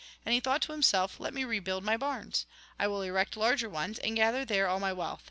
And he thought to himself : Let me rebuild my barns. I will erect larger ones, and gather there all my wealth.